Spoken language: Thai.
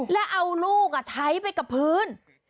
แล้วเอาลูกใช้ไปกับพื้น